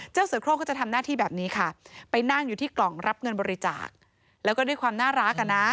เสือโครงก็จะทำหน้าที่แบบนี้ค่ะไปนั่งอยู่ที่กล่องรับเงินบริจาคแล้วก็ด้วยความน่ารักอ่ะนะ